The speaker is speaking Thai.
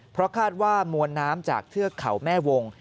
เพราะคาดว่ามวลน้ำจากเทือกเขาแม่วง